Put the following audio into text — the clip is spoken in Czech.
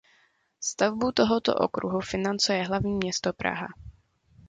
Stavbu tohoto okruhu financuje hlavní město Praha.